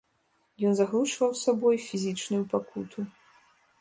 Ён заглушваў сабою фізічную пакуту.